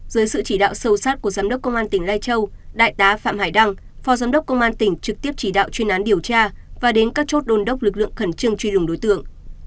dưới sự chỉ đạo sâu sát của giám đốc công an tỉnh lai châu đại tá phạm hải đăng phó giám đốc công an tỉnh trực tiếp chỉ đạo chuyên án điều tra và đến các chốt đôn đốc lực lượng khẩn trương truy đuổi đối tượng